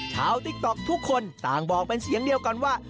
ติ๊กต๊อกทุกคนต่างบอกเป็นเสียงเดียวกันว่า